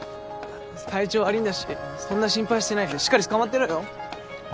体調悪いんだしそんな心配してないでしっかりつかまってろよ。